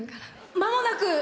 まもなく！